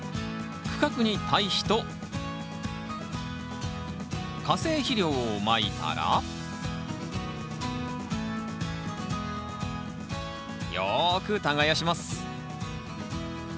区画に堆肥と化成肥料をまいたらよく耕します。